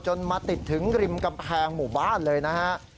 มาติดถึงริมกำแพงหมู่บ้านเลยนะฮะ